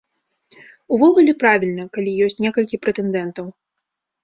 Увогуле правільна, калі ёсць некалькі прэтэндэнтаў.